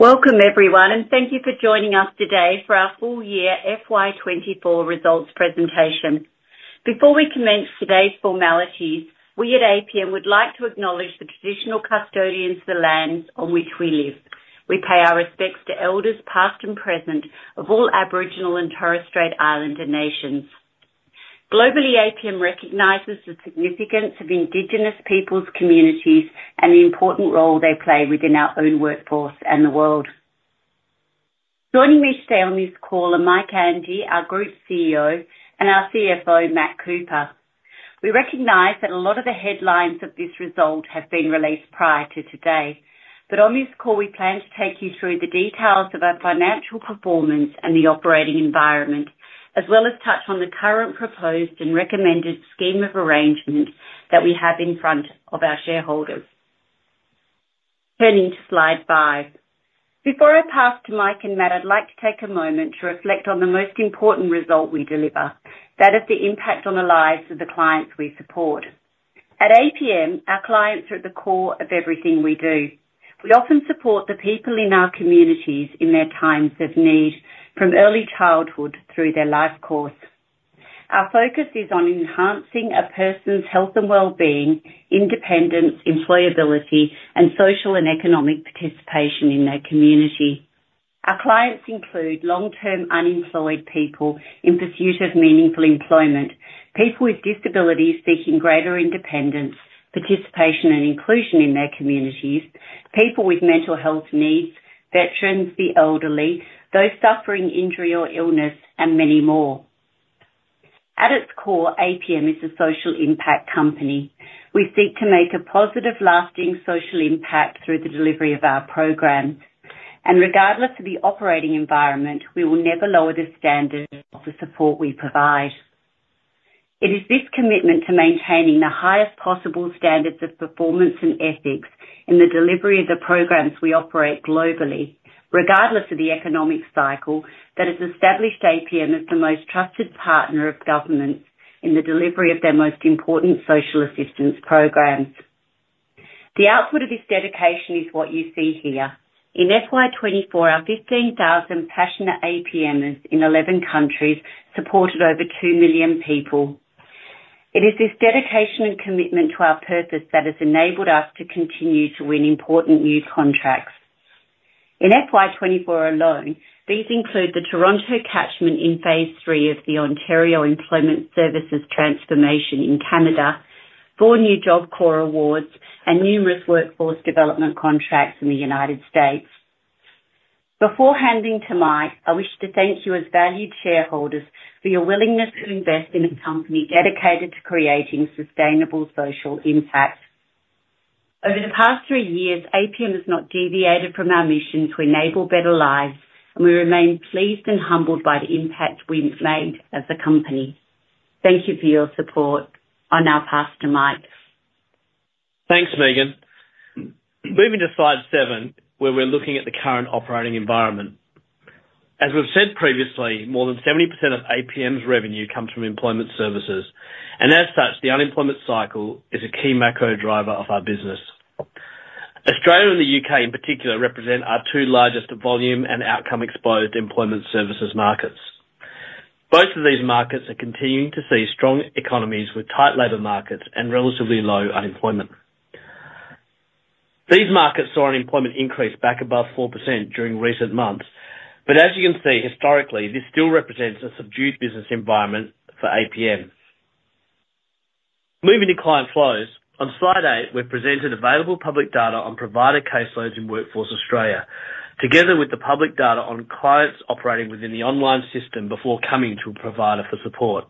Welcome everyone, and thank you for joining us today for our full year FY2024 results presentation. Before we commence today's formalities, we at APM would like to acknowledge the traditional custodians of the lands on which we live. We pay our respects to elders, past and present, of all Aboriginal and Torres Strait Islander nations. Globally, APM recognizes the significance of Indigenous peoples' communities and the important role they play within our own workforce and the world. Joining me today on this call are Michael Anghie, our Group CEO, and our CFO, Matt Cooper. We recognize that a lot of the headlines of this result have been released prior to today, but on this call, we plan to take you through the details of our financial performance and the operating environment, as well as touch on the current proposed and recommended scheme of arrangement that we have in front of our shareholders. Turning to slide 5. Before I pass to Mike and Matt, I'd like to take a moment to reflect on the most important result we deliver. That is the impact on the lives of the clients we support. At APM, our clients are at the core of everything we do. We often support the people in our communities in their times of need, from early childhood through their life course. Our focus is on enhancing a person's health and well-being, independence, employability, and social and economic participation in their community. Our clients include long-term unemployed people in pursuit of meaningful employment, people with disabilities seeking greater independence, participation and inclusion in their communities, people with mental health needs, veterans, the elderly, those suffering injury or illness, and many more. At its core, APM is a social impact company. We seek to make a positive, lasting social impact through the delivery of our programs, and regardless of the operating environment, we will never lower the standard of the support we provide. It is this commitment to maintaining the highest possible standards of performance and ethics in the delivery of the programs we operate globally, regardless of the economic cycle, that has established APM as the most trusted partner of governments in the delivery of their most important social assistance programs. The output of this dedication is what you see here. In FY2024, our 15,000 passionate APMers in 11 countries supported over 2 million people. It is this dedication and commitment to our purpose that has enabled us to continue to win important new contracts. In FY2024 alone, these include the Toronto catchment in phase three of the Ontario Employment Services Transformation in Canada, four new Job Corps awards, and numerous workforce development contracts in the United States. Before handing to Mike, I wish to thank you as valued shareholders for your willingness to invest in a company dedicated to creating sustainable social impact. Over the past three years, APM has not deviated from our mission to enable better lives, and we remain pleased and humbled by the impact we've made as a company. Thank you for your support. I now pass to Mike. Thanks, Megan. Moving to Slide 7, where we're looking at the current operating environment. As we've said previously, more than 70% of APM's revenue comes from employment services, and as such, the unemployment cycle is a key macro driver of our business. Australia and the U.K., in particular, represent our two largest volume and outcome-exposed employment services markets. Both of these markets are continuing to see strong economies with tight labor markets and relatively low unemployment. These markets saw unemployment increase back above 4% during recent months, but as you can see, historically, this still represents a subdued business environment for APM. Moving to client flows. On Slide 8, we've presented available public data on provider caseloads in Workforce Australia, together with the public data on clients operating within the online system before coming to a provider for support.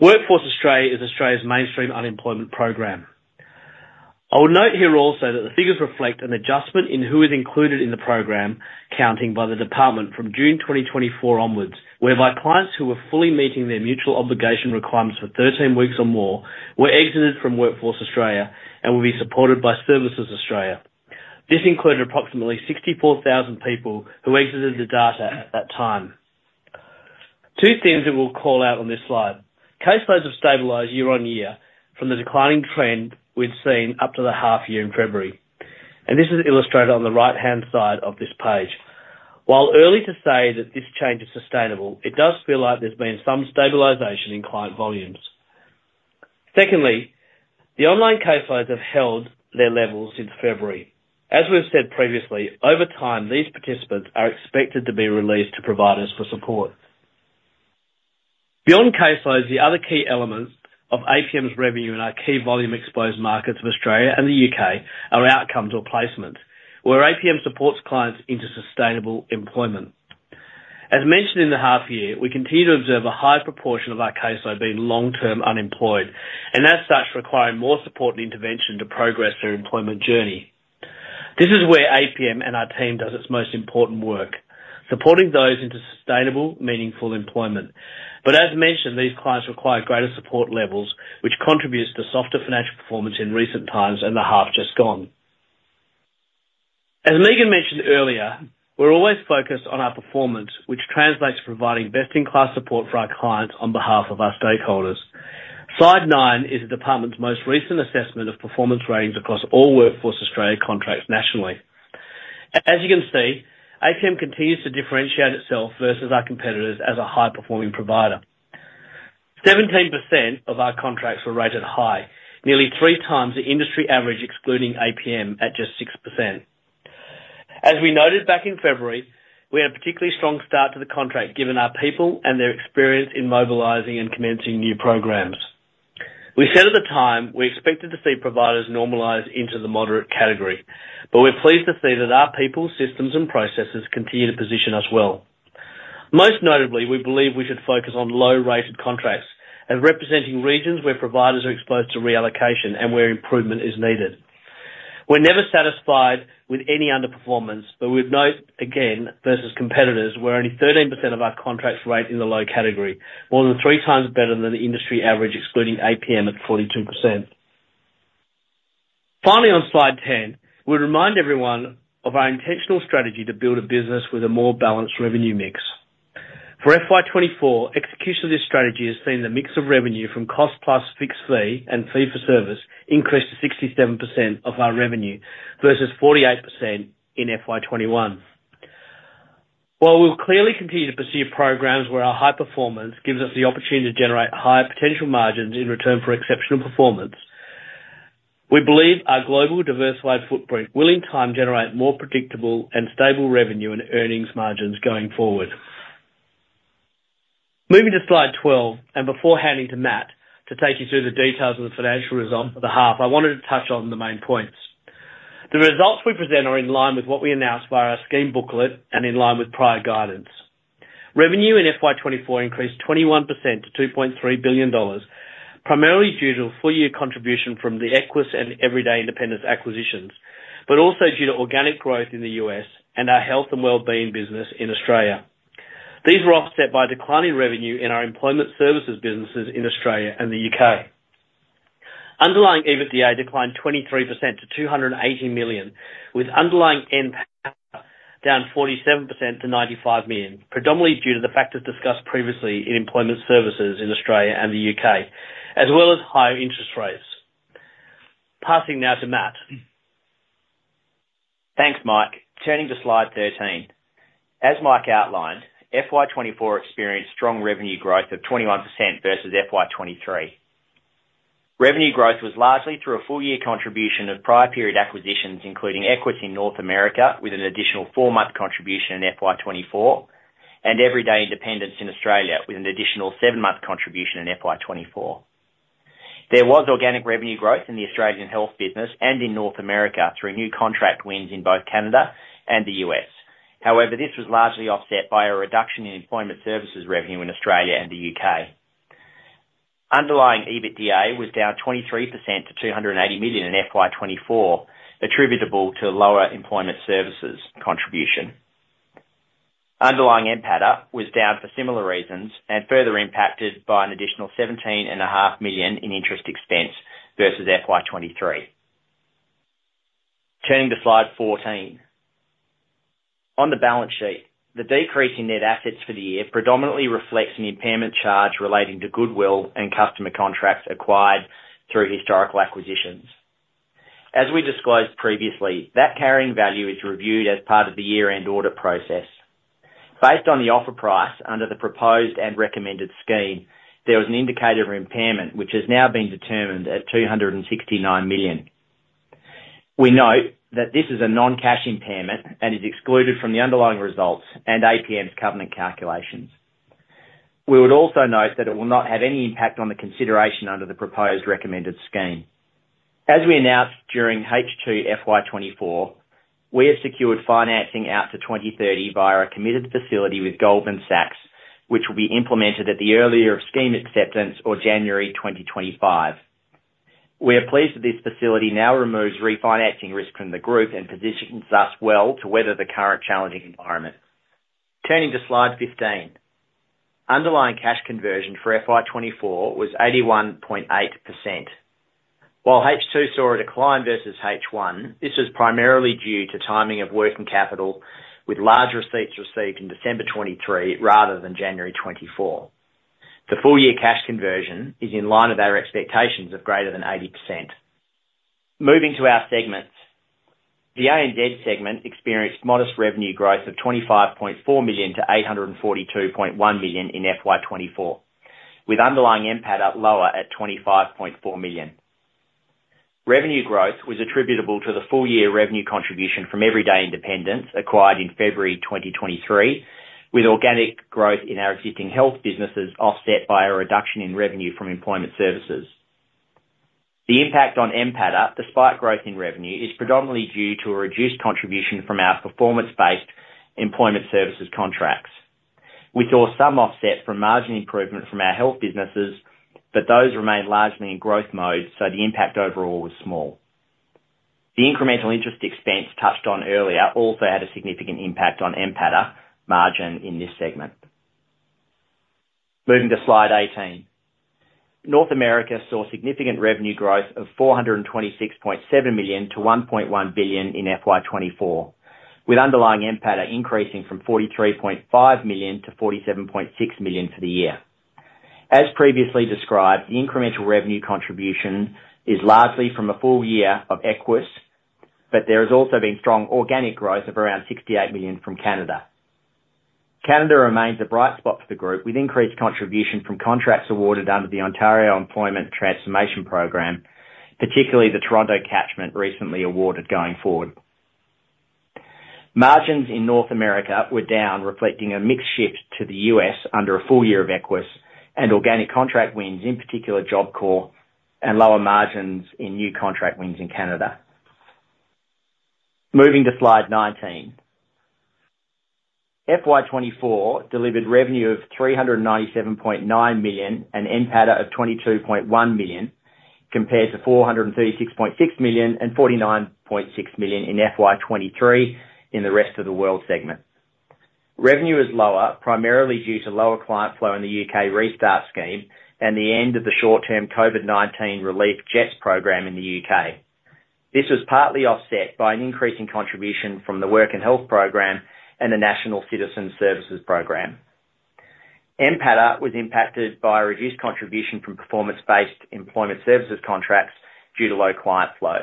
Workforce Australia is Australia's mainstream unemployment program. I would note here also that the figures reflect an adjustment in who is included in the program, counting by the department from June 2024 onwards, whereby clients who were fully meeting their mutual obligation requirements for 13 weeks or more were exited from Workforce Australia and will be supported by Services Australia. This included approximately 64,000 people who exited the data at that time. Two themes that we'll call out on this slide. Caseloads have stabilized year on year from the declining trend we've seen up to the half year in February, and this is illustrated on the right-hand side of this page. While early to say that this change is sustainable, it does feel like there's been some stabilization in client volumes. Secondly, the online caseloads have held their levels since February. As we've said previously, over time, these participants are expected to be released to providers for support. Beyond caseloads, the other key elements of APM's revenue in our key volume-exposed markets of Australia and the U.K. are outcomes or placement, where APM supports clients into sustainable employment. As mentioned in the half year, we continue to observe a high proportion of our caseload being long-term unemployed, and as such, requiring more support and intervention to progress their employment journey. This is where APM and our team does its most important work, supporting those into sustainable, meaningful employment. But as mentioned, these clients require greater support levels, which contributes to softer financial performance in recent times and the half just gone. As Megan mentioned earlier, we're always focused on our performance, which translates to providing best-in-class support for our clients on behalf of our stakeholders. Slide nine is the department's most recent assessment of performance ratings across all Workforce Australia contracts nationally. As you can see, APM continues to differentiate itself versus our competitors as a high performing provider. 17% of our contracts were rated high, nearly three times the industry average, excluding APM, at just 6%. As we noted back in February, we had a particularly strong start to the contract, given our people and their experience in mobilizing and commencing new programs. We said at the time, we expected to see providers normalize into the moderate category, but we're pleased to see that our people, systems, and processes continue to position us well. Most notably, we believe we should focus on low-rated contracts and representing regions where providers are exposed to reallocation and where improvement is needed. We're never satisfied with any underperformance, but we'd note again, versus competitors, where only 13% of our contracts rate in the low category, more than three times better than the industry average, excluding APM at 42%. Finally, on Slide 10, we remind everyone of our intentional strategy to build a business with a more balanced revenue mix. For FY2024, execution of this strategy has seen the mix of revenue from cost-plus-fixed-fee and fee-for-service increase to 67% of our revenue, versus 48% in FY2021. While we'll clearly continue to pursue programs where our high performance gives us the opportunity to generate higher potential margins in return for exceptional performance, we believe our global diversified footprint will, in time, generate more predictable and stable revenue and earnings margins going forward. Moving to Slide 12, and before handing to Matt to take you through the details of the financial result for the half, I wanted to touch on the main points. The results we present are in line with what we announced via our scheme booklet and in line with prior guidance. Revenue in FY24 increased 21% to 2.3 billion dollars, primarily due to a full year contribution from the Equus and Everyday Independence acquisitions, but also due to organic growth in the U.S. and our health and well-being business in Australia. These were offset by declining revenue in our employment services businesses in Australia and the UK. Underlying EBITDA declined 23% to 280 million, with underlying NPAT down 47% to 95 million, predominantly due to the factors discussed previously in employment services in Australia and the UK, as well as higher interest rates. Passing now to Matt. Thanks, Mike. Turning to slide 13. As Mike outlined, FY 2024 experienced strong revenue growth of 21% versus FY 2023. Revenue growth was largely through a full year contribution of prior period acquisitions, including Equus in North America, with an additional four-month contribution in FY 2024, and Everyday Independence in Australia, with an additional seven-month contribution in FY 2024. There was organic revenue growth in the Australian health business and in North America through new contract wins in both Canada and the U.S. However, this was largely offset by a reduction in employment services revenue in Australia and the U.K. Underlying EBITDA was down 23% to 280 million in FY 2024, attributable to lower employment services contribution. Underlying NPATA was down for similar reasons and further impacted by an additional 17.5 million in interest expense versus FY 2023. Turning to slide 14. On the balance sheet, the decrease in net assets for the year predominantly reflects an impairment charge relating to goodwill and customer contracts acquired through historical acquisitions. As we disclosed previously, that carrying value is reviewed as part of the year-end audit process. Based on the offer price, under the proposed and recommended scheme, there was an indicator of impairment, which has now been determined at 269 million. We note that this is a non-cash impairment and is excluded from the underlying results and APM's covenant calculations. We would also note that it will not have any impact on the consideration under the proposed recommended scheme. As we announced during H2 FY 2024, we have secured financing out to 2030 via a committed facility with Goldman Sachs, which will be implemented at the earlier of scheme acceptance or January 2025. We are pleased that this facility now removes refinancing risk from the group and positions us well to weather the current challenging environment. Turning to slide 15. Underlying cash conversion for FY 2024 was 81.8%. While H2 saw a decline versus H1, this is primarily due to timing of working capital, with large receipts received in December 2023 rather than January 2024. The full year cash conversion is in line with our expectations of greater than 80%. Moving to our segments. The ANZ segment experienced modest revenue growth of AUD 25.4 million to AUD 842.1 million in FY 2024, with underlying NPATA up lower at AUD 25.4 million. Revenue growth was attributable to the full year revenue contribution from Everyday Independence, acquired in February 2023, with organic growth in our existing health businesses, offset by a reduction in revenue from employment services. The impact on NPATA, despite growth in revenue, is predominantly due to a reduced contribution from our performance-based employment services contracts. We saw some offset from margin improvement from our health businesses, but those remained largely in growth mode, so the impact overall was small. The incremental interest expense touched on earlier also had a significant impact on NPATA margin in this segment. Moving to slide 18. North America saw significant revenue growth of 426.7 million-1.1 billion in FY 2024, with underlying NPATA increasing from 43.5 million-47.6 million for the year. As previously described, the incremental revenue contribution is largely from a full year of Equus, but there has also been strong organic growth of around 68 million from Canada. Canada remains a bright spot for the group, with increased contribution from contracts awarded under the Ontario Employment Services Transformation, particularly the Toronto catchment recently awarded going forward. Margins in North America were down, reflecting a mixed shift to the U.S. under a full year of Equus and organic contract wins, in particular, Job Corps, and lower margins in new contract wins in Canada. Moving to Slide 19. FY 2024 delivered revenue of AUD 397.9 million and NPATA of AUD 22.1 million, compared to AUD 436.6 million and AUD 49.6 million in FY 2023 in the Rest of the World segment. Revenue is lower, primarily due to lower client flow in the UK Restart Scheme and the end of the short-term COVID-19 relief JETS program in the U.K.. This was partly offset by an increase in contribution from the Work and Health Programme and the National Citizen Service Program. NPATA was impacted by a reduced contribution from performance-based employment services contracts due to low client flow.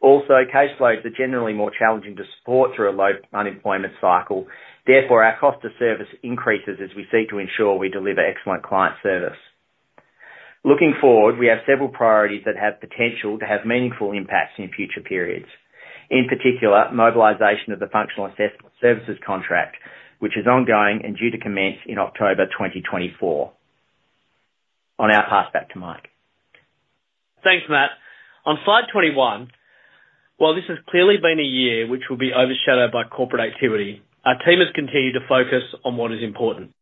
Also, case loads are generally more challenging to support through a low unemployment cycle. Therefore, our cost to service increases as we seek to ensure we deliver excellent client service. Looking forward, we have several priorities that have potential to have meaningful impacts in future periods. In particular, mobilization of the Functional Assessment Services contract, which is ongoing and due to commence in October 2024. On our pass back to Mike. Thanks, Matt. On slide 21, while this has clearly been a year which will be overshadowed by corporate activity, our team has continued to focus on what is important,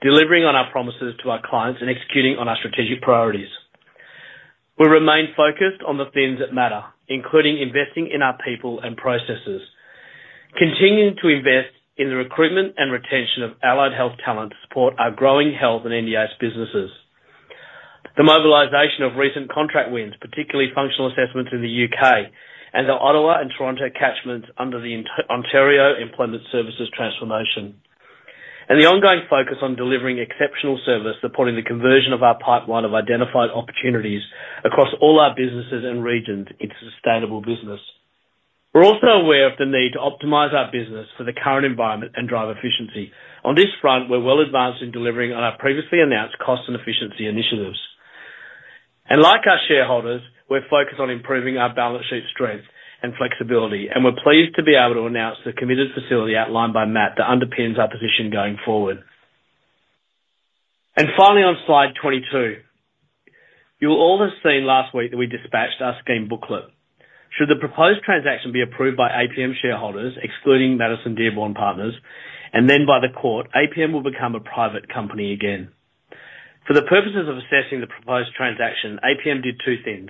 delivering on our promises to our clients and executing on our strategic priorities. We remain focused on the things that matter, including investing in our people and processes, continuing to invest in the recruitment and retention of allied health talent to support our growing health and NDIS businesses. The mobilization of recent contract wins, particularly functional assessments in the U.K. and the Ottawa and Toronto catchments under the Ontario Employment Services Transformation, and the ongoing focus on delivering exceptional service, supporting the conversion of our pipeline of identified opportunities across all our businesses and regions into sustainable business. We're also aware of the need to optimize our business for the current environment and drive efficiency. On this front, we're well advanced in delivering on our previously announced cost and efficiency initiatives, and like our shareholders, we're focused on improving our balance sheet strength and flexibility, and we're pleased to be able to announce the committed facility outlined by Matt that underpins our position going forward, and finally, on slide 22. You will all have seen last week that we dispatched our scheme booklet. Should the proposed transaction be approved by APM shareholders, excluding Madison Dearborn Partners, and then by the court, APM will become a private company again. For the purposes of assessing the proposed transaction, APM did two things: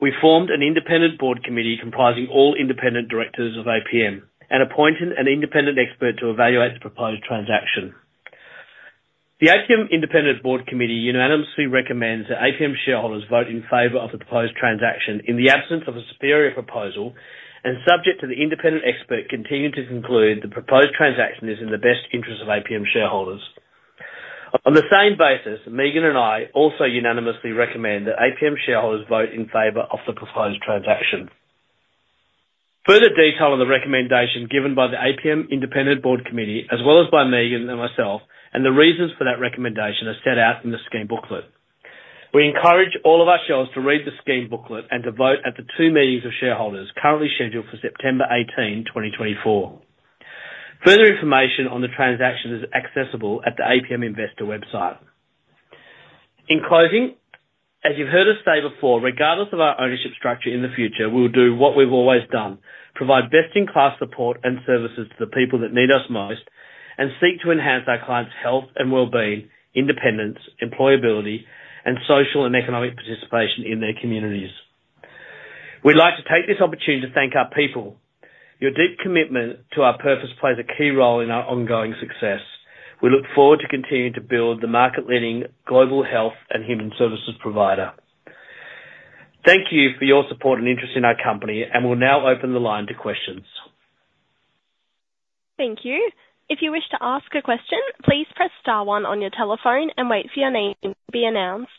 We formed an independent board committee comprising all independent directors of APM and appointed an independent expert to evaluate the proposed transaction. The APM Independent Board Committee unanimously recommends that APM shareholders vote in favor of the proposed transaction in the absence of a superior proposal and subject to the independent expert continuing to conclude the proposed transaction is in the best interest of APM shareholders. On the same basis, Megan and I also unanimously recommend that APM shareholders vote in favor of the proposed transaction. Further detail on the recommendation given by the APM Independent Board Committee, as well as by Megan and myself, and the reasons for that recommendation are set out in the scheme booklet. We encourage all of our shareholders to read the scheme booklet and to vote at the two meetings of shareholders currently scheduled for September 18, 2024. Further information on the transaction is accessible at the APM Investor website. In closing, as you've heard us say before, regardless of our ownership structure in the future, we will do what we've always done: provide best-in-class support and services to the people that need us most and seek to enhance our clients' health and wellbeing, independence, employability, and social and economic participation in their communities. We'd like to take this opportunity to thank our people. Your deep commitment to our purpose plays a key role in our ongoing success. We look forward to continuing to build the market-leading global health and human services provider. Thank you for your support and interest in our company, and we'll now open the line to questions. Thank you. If you wish to ask a question, please press star one on your telephone and wait for your name to be announced.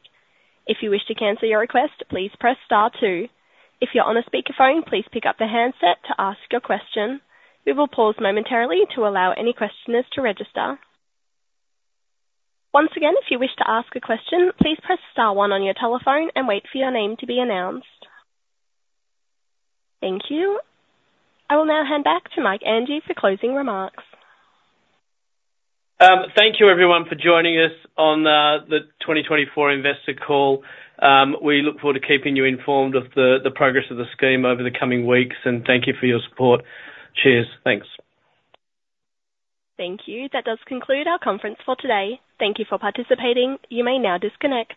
If you wish to cancel your request, please press star two. If you're on a speakerphone, please pick up the handset to ask your question. We will pause momentarily to allow any questioners to register. Once again, if you wish to ask a question, please press star one on your telephone and wait for your name to be announced. Thank you. I will now hand back to Mike Anghie for closing remarks. Thank you, everyone, for joining us on the 2024 investor call. We look forward to keeping you informed of the progress of the scheme over the coming weeks, and thank you for your support. Cheers. Thanks. Thank you. That does conclude our conference for today. Thank you for participating. You may now disconnect.